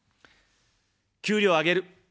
給料を上げる。